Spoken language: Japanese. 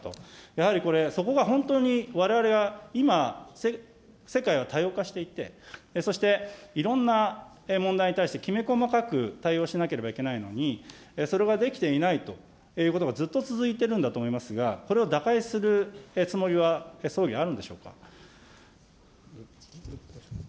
やはりこれ、そこが本当にわれわれが今、世界は多様化していて、そしていろんな問題に対してきめ細かく対応しなければいけないのに、それができていないということがずっと続いているんだと思いますが、これを打開するつもりは、総理、あるんでしょうか。